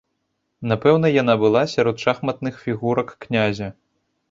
Напэўна яна была сярод шахматных фігурак князя.